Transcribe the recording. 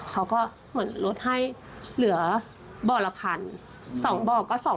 เขาก็เหมือนลดให้เหลือเบอร์ละ๑๐๐๐ส่องเบอร์ก็๒๐๐๐